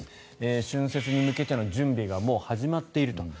春節に向けての準備がもう始まっていると。